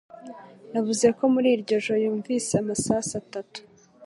yavuze ko muri iryo joro yumvise amasasu atatu.